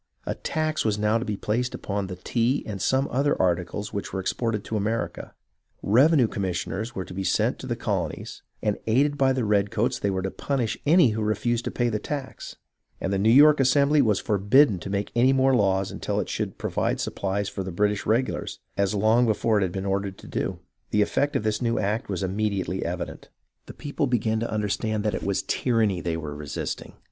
A tax was now to be placed upon the tea and some other articles which were exported to America ; revenue commissioners were to be sent to the colonies, and aided by the redcoats they were to punish any who refused to pay the tax ; and the New York Assembly was forbidden to make any more laws until it should provide supplies for the British regulars, as long before it had been ordered to do. The effect of this new act was immediately evident. The people began to understand that it was tyranny they were resisting.